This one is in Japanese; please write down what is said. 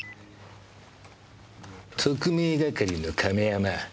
特命係の亀山！